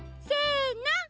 せの！